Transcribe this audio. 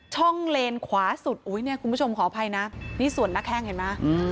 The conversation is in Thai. เลนขวาสุดอุ้ยเนี่ยคุณผู้ชมขออภัยนะนี่ส่วนหน้าแข้งเห็นไหม